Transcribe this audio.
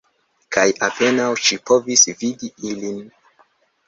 Kaj apenaŭ ŝi povis vidi ilin.